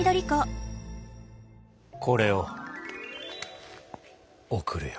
これを贈るよ！